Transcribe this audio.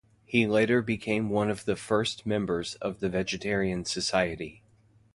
He later became one of the first members of the Vegetarian Society.